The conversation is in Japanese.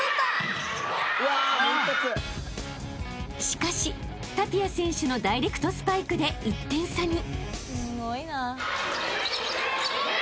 ［しかしタピア選手のダイレクトスパイクで１点差に］